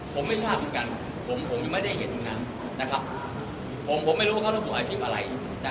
ผมไม่ทราบเหมือนกันผมยังไม่ได้เห็นตรงนั้นนะครับผมไม่รู้ว่าเขารบมืออาชีพอะไร